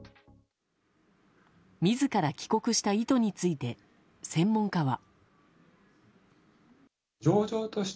自ら帰国した意図について専門家は。